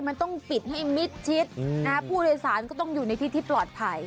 มันต้องปิดให้มิดชิดผู้โดยสารก็ต้องอยู่ในที่ที่ปลอดภัย